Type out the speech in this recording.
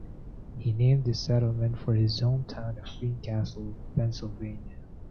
He named the settlement for his hometown of Greencastle, Pennsylvania.